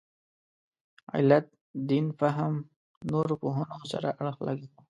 علت دین فهم نورو پوهنو سره اړخ لګاوه.